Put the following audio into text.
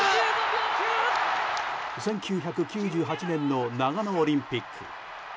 １９９８年の長野オリンピック。